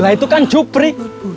itu kan jepri